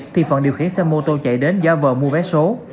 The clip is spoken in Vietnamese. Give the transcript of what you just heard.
thì phận điều khiển xe mô tô chạy đến giả vờ mua vé số